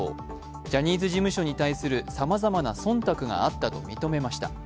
ジャニーズ事務所に対するさまざまな忖度があったと認めました。